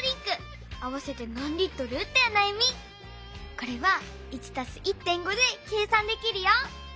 これは「１＋１．５」で計算できるよ。